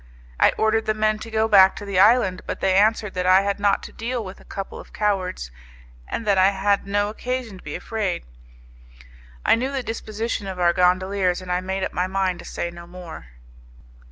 I ordered the men to go back to the island, but they answered that I had not to deal with a couple of cowards, and that I had no occasion to be afraid. I knew the disposition of our gondoliers, and I made up my mind to say no more.